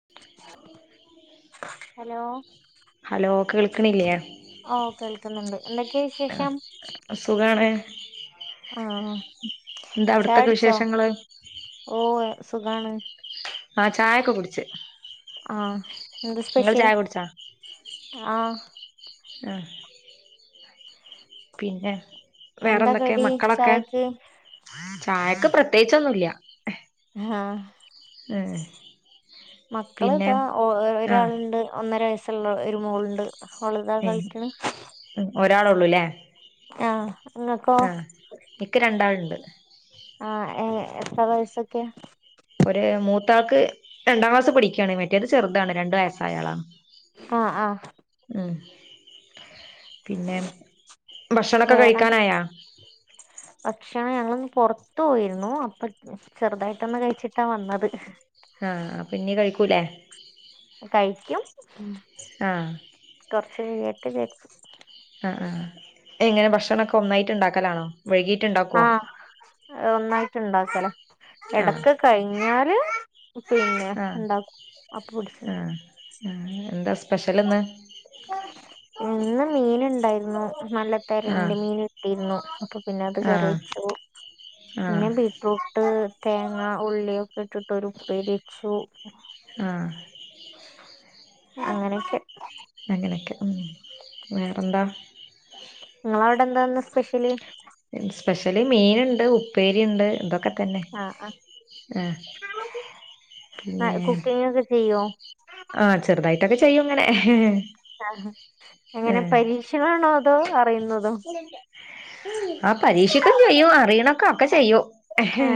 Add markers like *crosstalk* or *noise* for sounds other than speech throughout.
*unintelligible* Hello hello കേൾക്കണില്ലേ ഓ കേൾക്കുന്നുണ്ട് എന്തൊക്കെ വിശേഷം? സുഖാണ് ആഹ് എന്താ അവിടത്തൊക്കെ ചായുടിച്ചോ വിശേഷങ്ങള്. ഓ സുഖാണ്. ആ ചായ ഒക്കെ കുടിച്ച് ആഹ് എന്ത് നിങ്ങൾ സ്പെഷ്യൽ ചായ കുടിച്ചാ ആഹ് ആഹ് പിന്നെ വേറെ എന്താ എന്തൊക്കെ കടി മക്കളൊക്കെ ചായക്ക് ചായക്ക് പ്രത്യേകിച്ചൊന്നുല്ല. ആഹ് ഉം മക്കള് പിന്നെ താ ആ ഒരാളുണ്ട് ഒന്നര വയസ സ്ള്ള ഒരു മോള് ഇണ്ട്. ഓളത ഉം ഉം ഒരാളോള്ളൂല്ലേ? ആഹ് ഇങ്ങക്കോ ആഹ് ഇക്ക് രണ്ടാള് ഇണ്ട്. ആഹ് എഹ്എത്ര വയസ്സൊക്കെ ഒരു മൂത്താൾക്ക് രണ്ടാം ക്ലാസ് പടിക്കുകയാണ് മറ്റേത് ചെറുതാണ് രണ്ടു വയസ്സായയാളാ. ആഹ് ആഹ് ഉം പിന്നെ ഭക്ഷണൊക്കെ വേറെന്ത് കഴിക്കാനായാ? *inaudible* ഭക്ഷണം ഞങ്ങള് ഒന്ന് പുറത്ത് പോയിരുന്നു അപ്പൊ ചെറുതായിട്ടൊന്ന് കഴിച്ചിട്ടാ വന്നത്. ആന് ഇപ്പന്നീ കഴിക്കൂലേ? കഴിക്കും. ആഹ് കൊറച്ച് കെയ്യട്ടെ വിചാരിച്. ആഹ് ആഹ് എങ്ങനെ ഭക്ഷണൊക്കെ ഒന്നായിട്ട് ഇണ്ടാക്കലാണോ? വൈകീട്ട് ഇണ്ടാക്കോ ആഹ് ഒന്നായിട്ട് ഉണ്ടാക്കലാ ആഹ് എടക്ക് കഴിഞ്ഞാല് പിന്നെ ആഹ് ഉണ്ടാക്കും അപ്പം പിടിച്ചു ഉണ്ടാക്കും ഉം എന്താ സ്പെഷ്യലിന്ന്? ഇന്ന് മീൻ ഇണ്ടായിരുന്നു നല്ല തെരണ്ടി ആഹ് മീൻ കിട്ടിരുന്നു അപ്പൊ പിന്നെ അത് കറി ആഹ് വച്ചു ആഹ് പിന്നെ ബീറ്റ്റൂട്ട് തേങ്ങ ഉള്ളിയൊക്കെ ഇട്ടിട്ടൊരു ഉപ്പേരി വച്ചു ആഹ് അങ്ങനെക്കെ അങ്ങനെക്കെ ഉം വേറെന്താ? നിങ്ങളവിട എന്താന്ന് സ്പെഷ്യല് സ്പെഷ്യല് മീന്ണ്ട് ഉപ്പേരി ഇണ്ട് ഇതൊ ക്കെ തന്നെ ആഹ് ആഹ് ആഹ് പിന്നെ കുക്കിംഗ് ഒക്കെ ചെയ്യോ ആ ചെറുതായിട്ടൊക്കെ ചെയ്യും ഇങ്ങനെ ആഹ് എങ്ങനെ ഏഹ് പരീക്ഷണണോ അതോ അറിയുന്നതോ? ആ പരീക്ഷിക്കും ചെയ്യും അറിയണക്കെ ഒക്കെ ചെയ്യു ആഹ്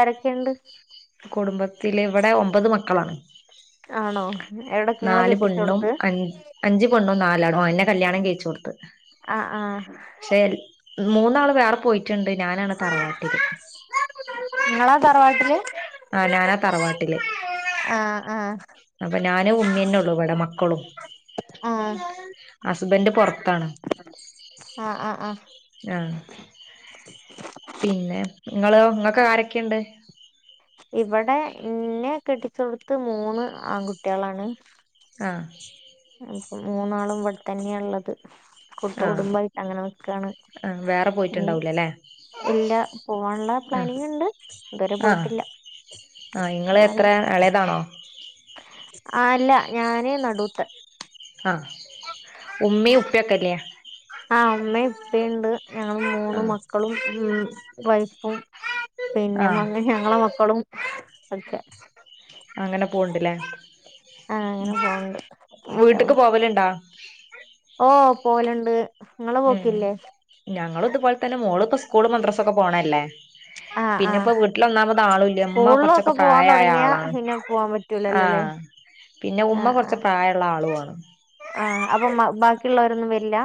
ആരൊക്കെ ഇണ്ട് കുടുംബത്തില് ഇവിടെ ഒമ്പത് മക്കളാണ് ആണോ എവിടെ നിങ്ങളെ നാല് പെണ്ണും കെട്ടിച്ചോടത്ത് അഞ്ച് അഞ്ച് പെണ്ണും നാലാണും എന്നെ കല്യാണം കയിചൊട് ത്ത് ആഹ് ആഹ് പക്ഷെ മൂന്നാള് വേറെ പോയിറ്റ്ണ്ട് ഞാനാണ് തറവാട്ടില് ഇങ്ങളാ തറവാട്ടില് ആ ഞാനാ തറവാട്ടില് ആഹ് ആഹ് അപ്പൊ ഞാനും ഉമ്മന്നെള്ളു ഇവിടെ മക്കളും ആഹ് അസ്ബന്റ് പൊറത്താണ് ആഹ് ആഹ് ആഹ് ആഹ് പിന്നെ ഇങ്ങളെയോ ഇങ്ങക്ക് ആരൊക്കെയിണ്ട്? ഇവിടെ ബന്നെ കെട്ടിച്ചൊടുത്ത് മൂന്ന് ആൺകുട്ട്യളാണ് ആഹ് അപ്പ മൂന്നാളും ഇവിടെ തന്നെയ ള്ളത് ആ കൂട്ടുകുടുംബായിട്ടങ്ങനെ നിക്കാണ് ആ വേറെ ഇനി പോയിട്ടുണ്ടാവൂലല്ലേ ഇല്ല പോവാനുള്ള ആ പ്ലാനിങ് ഉണ്ട് ഇതുവരെ പോയിട്ടില്ല. ആഹ് ഇങ്ങളെ എത്രയാ എളേതാണോ? ആ അല്ല ഞാനീ നടൂത്തെ ആ ഉമ്മിം ഉപ്പിംക്കേല്ലേ ആഹ് ഉമ്മിംപ്പിംയുണ്ട് ഞങ്ങള് ആ മൂന്ന് മക്കളും ഉം വൈഫും. ആ പിന്നെ മന്ന് ഞങ്ങളെ മക്കളും ഒക്കെ അങ്ങനെ പോണ് ണ്ട് ല്ലേ ആഹ് അങ്ങനെ പോണ്ട് വീട്ടിക്ക് മാഷാഅല്ലാഹ് പോവല് ണ്ടാ? ഓ പോവലിണ്ട് ഇങ്ങള് പോക്കില്ലേ? ഞങ്ങളുതുപോലെ തന്നെ മോള് ഇപ്പോ സ്കൂളും മദ്രാസൊക്കെ പോണല്ലേ ആഹ് ആഹ് പിന്നെപ്പോ വീട്ടിലൊന്നാമത് ആളുല്ല ഉമ്മ സ്കൂളിലൊക്കെ കുറച്ചൊക്കെ പ്രായായ ആളാണ്. ആ പറ്റുലാലോല്ലെ പിന്നെ ഉമ്മ കുറച്ച് പ്രായുള്ള ആളു ആണ്. ആ അപ്പം ബാക്കിയുള്ളവരൊന്നും വരില്ല?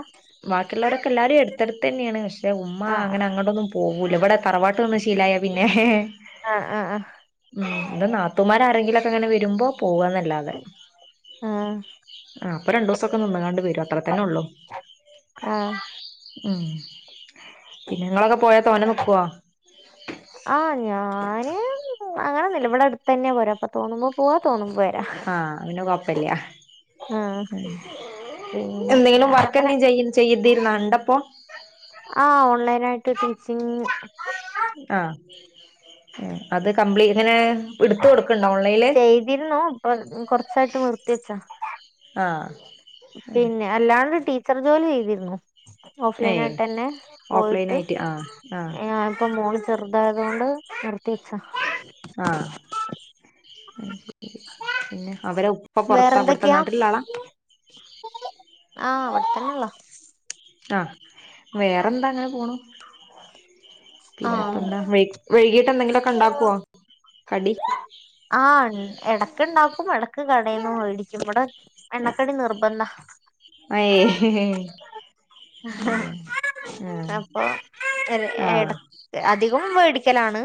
ബാക്കിയുള്ളോരൊക്കെ എല്ലാരും അ ടുത്ത്ടന്നെയെണ് പക്ഷേ ഉമ്മ ആഹ് അങ്ങനെ അങ്ങോട്ടൊന്നും പോകൂല ഇവിടെ തറവാട്ട് നിന്ന് ശീലായ പിന്നെ ആഹ് ആഹ് ആഹ് ഉ ഇന്റെ നാത്തുമാർ ആരെങ്കിലുംക്കെ ങ്ങനെ വരുമ്പോ പോവന്നല്ലാതെ ആഹ് ആ അപ്പൊ രണ്ടുസൊക്കെ നിന്നങ്ങാണ്ട് വരും അത്രത്തന്നെ ഉള്ളൂ ആഹ് ഉം പിന്നെ നിങ്ങളൊക്കെ പോയാ തോനെ നൽക്കോ *inaudible* ആഹ ഞാന് അങ്ങനെന്നില്ല ഇവിടെ അടുത്ത് തന്നെയാ പോരാ അപ്പൊ തോന്നുമ്പോ പോവാ തോന്നുമ്പോ വരാ. ആഹ പിനൊ കൊഴപ്പില്ല ആഹ് പിന്നെ എന്തെങ്കിലും അങ്ങനെ വർക്ക്ന്നീ ചെയ ചെയ്തിരുന്ന ഉണ്ടപ്പോ ആ ഓൺലൈന ആയിട്ട് ടീച്ചിങ് ആ അത് കംപ്ലീ ഇങ്ങനെ എടുത്ത് കൊടുക്കണ്ടോ ഓൺലൈൽ ഇടനു ഇപ്പ കുറച്ചായിട്ട് നിർത്തി വെച്ചാ ആഹ് പിന്നെ അല്ലാണ്ട് ടീച്ചർ ജോലി ചെയ്തിരുന്നു. ഓഫ്‌ലൈൻ ഏയ് ആയിട്ട് തന്നെ ഓഫ്ലൈൻ പോയിട്ട് ആയിട്ട് ആഹ് ആഹ് ഇപ്പൊ മോ ചെറുതായത് ആയത്കൊണ്ട് നിർത്തി വെച്ച ആഹ് അവരെ ഉപ്പ പുറത്ത അവിടുത്തെ വേറെന്തൊക്കെയാ നാട്ടിള ആളാ ആഹ് ഇവടതനൊള്ളോ ആ വേറെന്താ ഇങ്ങനെ പോണു ആഹ് പിന്നെപ്പന്താ വൈകീട്ട് എന്തെങ്കിലുമൊക്കെ ഉണ്ടാക്കുവോ കടി ആ ഇടക്ക് ഉണ്ടാക്കപ്പും ഇടക്ക് കടയിന്നന്ന് മേടിക്കും ഇവടെ എണ്ണക്കടി നിർബന്ധ ഏയ് അപ്പൊ ആ ആ എടകും അധികം മേടിക്കലാണ്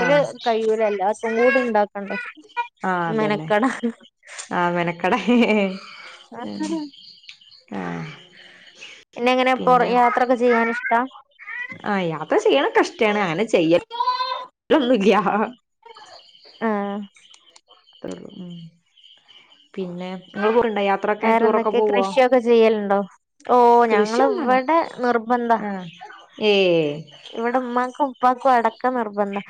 ആ കഴിയൂലല്ലോ എല്ലാർക്കും കൂടി ഉണ്ടാക്ക ആഹ അതന്നെ ആ മെനക്കട ആഹ് ആ പിന്നെ എങ്ങനെപ്പറ യാത്രൊക്കെ ചെയ്യാൻ ഇഷ്ട ആഹ യാത്ര ചെയ്യണം ക് ഇഷ്ടാണ് അങ്ങനെ ചെയ്യല്ന്നുമില്ല. ആഹ് പിന്നെ നിങ്ങൾ പോണ്ടാ യാത്ര വേറെന്തൊക്കെ കൃഷിയൊക്കെ ചെയ്യലുണ്ടോ ഓ ഞങ്ങള കൃഷിയൊന്നും ഇവിടെ നിർബന്ധം ആ ഏ ഇവിടെ ഉമ്മാക്കും ഉപ്പക്കും അടക്ക നിർബന്ധം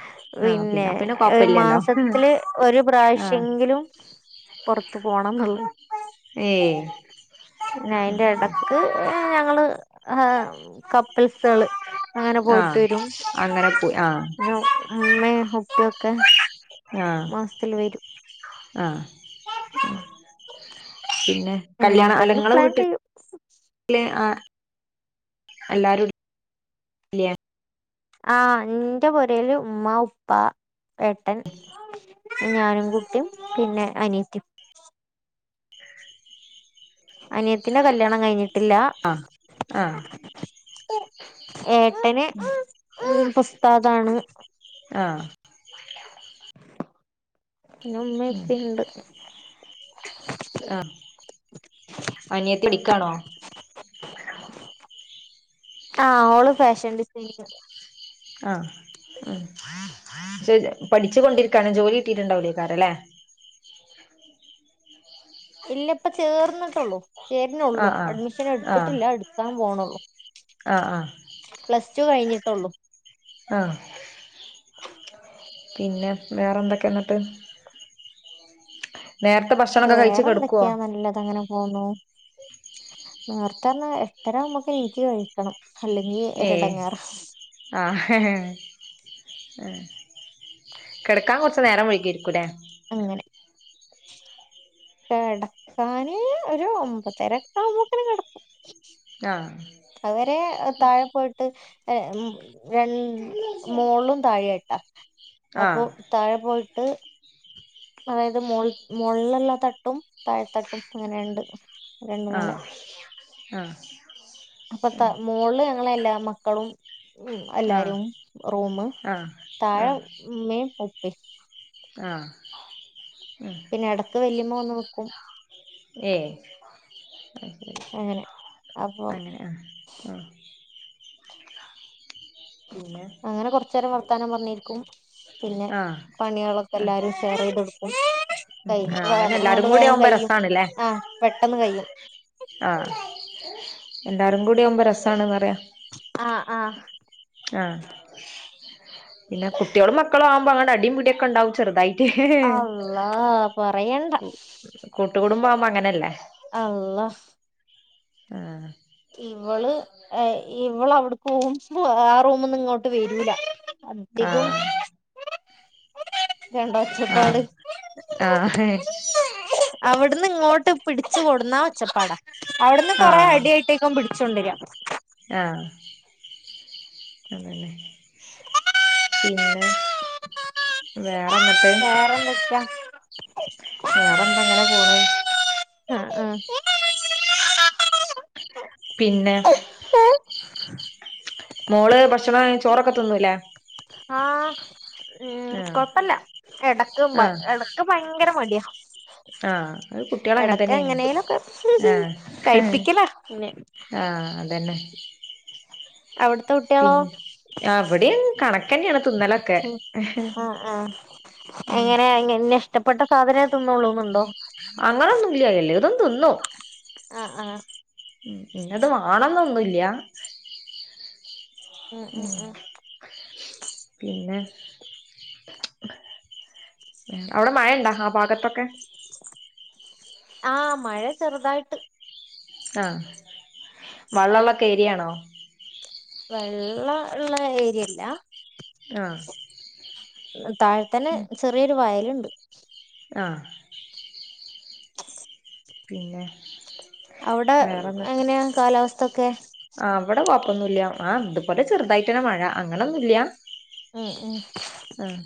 ആ പിന്നെ അപ്പ കൊഴപ്പില്ലല്ലോ മാസത്തില് ഒരു ആ പ്രാവശ്യെങ്കിലും പൊറുത്ത് പോണംന്നുള്ളു ഏ പിന്നെ അയിൻ്റെ ആ ഇടക്ക് ഞങ്ങള് ആഹ കപ്പിൽസുകള് അങ്ങനെ പോയിട്ട് ആഹ് വരും അങ്ങനെ പോയി ആഹ് *unintelligible* ആഹ് മാസത്തില് വരും ആഹ് പിന്നെ കല്യാണ എങ്ങോട്ടെങ്കിലും അലങ്ങളോ പ്ലാൻ കിട്ടി ചെയ്യും ആഹ് എല്ലാരും ആഹാ ന്റെ പുരേല് ഉമ്മ ഉപ്പ ഏട്ടൻ ഞാനും കുട്ടിയും പിന്നെ അനിയത്തിയും അനിയത്തിന്റെ കല്യാണം കഴിഞ്ഞിട്ടില്ല ആഹ് ആഹ് ഏട്ടന് ഉസ്താദാണ് ആഹ് പിന്നെ ഉമ്മ ഇപ്പണ്ട് ആഹ് അനിയത്തി പഠിക്കാണോ ആഹ് ഓള് ഫാഷൻ ഡിസൈനിങ് ആഹാ ഉം പഠിച്ചു കൊണ്ടിരിക്കാണ് ജോലി കിട്ടിട്ടുണ്ടാവില്ലേക്കാരല്ലേ ഇല്ല ഇപ്പ ചേർന്നിട്ടുള്ളൂ ചേരുന്നേള്ളൂ ആഹ് ആഹ് അഡ്മിഷൻ ആഹ് എടുത്തിട്ടില്ല എടുക്കാൻ പോണള്ളൂ. ആഹ് ആഹ് പ്ലസ് ടു കഴിഞ്ഞിട്ടൊള്ളൂ. ആഹ് പിന്നെ വേറെന്തൊക്കെന്നിട്ട് നേര വേറെ എന്തൊക്കെയാ നല്ലതങ്ങനെ ആന്നോ നേർത്തെറഞ്ഞ എട്ടര ആവുമ്പക്കു എനിക്ക് കഴി ക്കണം അല്ലെങ്കിൽ ഏഹ് ഒരെടങ്ങേറ ആഹ് എ കെടക്കാൻ കൊറച്ച്‌ നേരം വൈകിയാരിക്കുംല്ലേ അങ്ങനെ. കെടക്കാന് ഒരു ഒമ്പതരക്കാവുമ്പത്തേന് കെടക്കും. ആഹ് അതുവരെ താഴെ പോയിട്ട് എ രണ്ട് മോളിലും താഴേയായിട്ടാ അപ്പൊ ആഹ് താഴെ പോയിട്ട് അതായത് മോൾ മോളിലൊള്ള തട്ടും താഴെത്തട്ടും അങ്ങനെയൊണ്ട്. ആഹ് ആഹ് പപ്പാ മോളില് ഞങ്ങളെല്ലാ മക്കളും ഉം ആഹ് എല്ലാരും റൂമും, ആഹ് താഴെ ആഹ് ഉമ്മേം ഉപ്പേം. ആഹ് ഉം പിന്നെ എടക്ക് വല്യമ്മ വന്നു നിക്കും. ഏ അയ് ശരി അങ്ങനെ അപ്പം ആഹ് ആഹ് പിന്നെ അങ്ങനെ കൊറച്ചുനേരം വർത്താനം പറഞ്ഞിരിക്കും പിന്നെ ആഹ് പണികളൊക്കെ ആഹ് എല്ലാരും ഷെയർ ചെയ്തെടുക്കും. കയ്യും ആഹ് അങ്ങനെ അതാണ്‌ എല്ലാരും അതുകൊണ്ട് കൂടി വേഗം ആവുമ്പോ കയ്യും രസാണ്ല്ലേ ആഹ് പെട്ടെന്ന് കയ്യും. ആഹ് എല്ലാരും കൂടി ആവുമ്പാ രസാണെന്നറിയ്യോ. ആഹ് ആഹ് ആഹ് പിന്ന കുട്ടികളും മക്കളും ആവുമ്പോ അങ്ങനെ അടീം പിടീം ഒക്കെണ്ടാവും ചെറുതായി അള്ളാ പറയണ്ട. കൂട്ടുകുടുംബാവുമ്പം അങ്ങനല്ലേ. അള്ളാ. ഉം ഇവള് ഏഹ് ഇവളവിടെ പോകുമ്പോ ആഹ് റൂമിന്നിങ്ങോ വരൂല അധികോം ആഹ് രണ്ടൊച്ചപ്പാട് ആഹ് ആഹ് അവിടുന്നിങ്ങോട്ട് പിടിച്ചു കൊടുന്നാ ഒച്ചപ്പാടാ, അവിടുന്ന് കൊറെ ആഹ് അടിയായിട്ടേക്കും പിടി ച്ചോണ്ടര്വ. ആഹ് അതന്നെ. പിന്നെ വേറെന്നിട്ട് വേറെന്തൊക്ക്യാ? വേറെന്ത ങ്ങനെ പോണു. ഉം ഉം പിന്നെ? മോള് ഭക്ഷണം ചോറൊക്കെ തിന്നൂലേ? ആഹ് ഉം ആഹ് കൊഴപ്പല്ല എടക്കും വ ആഹ് എട ക്ക് ഭയങ്കര മടിയാ ആഹ് അത് കുട്ടികള് അങ്ങനെ തന്നെയാണ് എടക്കെങ്ങനെലുക്കെ ആഹ് കഴിപ്പിക്കലാ പിന്നെ ആഹ് അതന്നെ അവിടുതെ പിന്ന് ആഹ് ഇവിടെയും കണക്കന്നെണ് തിന്നലൊക്കെ ആഹ് ആഹ് ഉം എങ്ങനെ ഇന്ന ഇഷ്ടപ്പെട്ട സാധനെ തിന്നുള്ളുന്നുണ്ടോ? അങ്ങനൊന്നുല്ല എല്ലതും തിന്നും ആഹ് ആഹ് ഉം ഇന്നത് വേണന്നൊന്നുല്ല ഉം പിന്നെ ഉം അവിടെ മഴ ഉണ്ടാ ആ ഭാഗത്തൊക്കെ ആഹ് മഴ ചെറുതായിട്ട് ആഹ് വള്ളള്ളൊക്കെ ഏരിയാണോ? വെള്ളം ഉള്ള ഏരിയല്ല ആഹ് താഴെത്തന്നെ ചെറിയൊരു വയലുണ്ട് ആഹ് പിന്നെ അവിടെ വേറെന്നിട്ട് എങ്ങനെയ കാലാവസ്ഥൊക്കെ? ആഹ് ഇവിടെ കൊഴപ്പൊന്നുല്ല ആഹ് ഇതുപോലെ ചെറുതായിട്ടൊരു മഴ അങ്ങനൊന്നും ഇല്ല ഉം ഉം അഹ്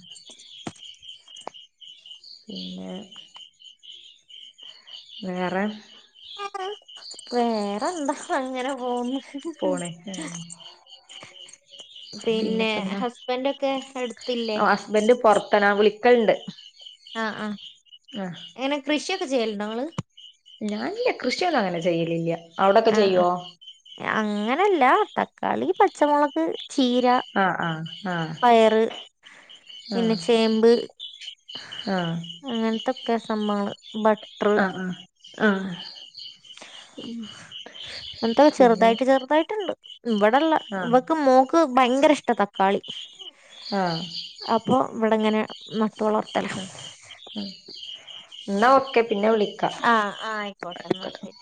പിന്നെ വേറെ വേറെ എന്താ അങ്ങനെ പോവുന്ന് പോണ് ആഹ് പിന്നെ പിന്നെപ്പെന്താ ഹസ്ബന്റെക്കെ അടുത്തില്ലേ ഹസ്ബന്റ് പുറത്താ നാ വിളിക്കല്ണ്ട് ആഹ് ആഹ് ആഹ് ങ്ങനെ കൃഷിയൊക്കെ ചെയ്യലുണ്ടോ ഇങ്ങള് ഞാനില്ല കൃഷിയൊന്നും അങ്ങനെ ചെയ്യലില്ല അവിടൊക്കെ ചെയ്യോ അഹ് അങ്ങനല്ല തക്കാളി പച്ചമുളക് ചീര ആഹ് ആഹ് പയറ് പിന്നെ ആഹ് ചേമ്പ് ഹ് ആഹ് അങ്ങനത്തൊക്കെ സംഭവങ്ങങ്ങള് ആഹ് ഹ് ആഹ് എന്തോ പിന്നെ ചെറുതായിട്ട് ചെറുതായിട്ടുണ്ട് ഇവിടെള്ള ആഹ് ഇവക്ക് മോക്ക് ക്ക് ഭയങ്കര ഇഷ്ട തക്കാളി ആഹ് അപ്പോഇവിടെങ്ങനെ നട്ട് വളർത്തല ഹ് ന്നാ ഒക്കെ പിന്നെ വിളിക്കാ ആയിക്കോട്ടെ എന്ന ശരി